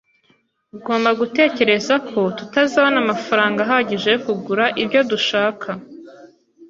Ugomba gutekereza ko tutazabona amafaranga ahagije yo kugura ibyo dushaka.